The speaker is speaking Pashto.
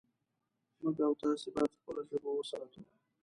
موږ او تاسې باید خپله ژبه وساتو